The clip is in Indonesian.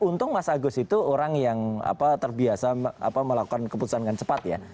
untung mas agus itu orang yang terbiasa melakukan keputusan dengan cepat ya